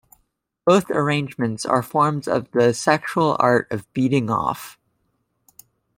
Both arrangements are forms of the sexual art of "beading off".